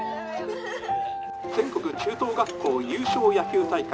「全国中等学校優勝野球大会」。